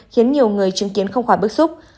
khiến nhiều người chứng kiến không khỏi bức xúc